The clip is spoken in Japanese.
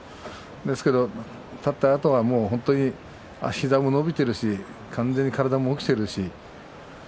ですけど立ったあとは膝も伸びているし完全に体も起きていました。